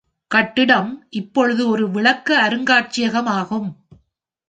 கட்டிடம் இப்பொழுது ஒரு விளக்க அருங்காட்சியகம் ஆகும்.